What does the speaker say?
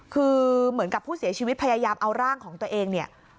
คือเหมือนกับผู้เสียชีวิตพยายามเอาร่างของตัวเองเนี่ย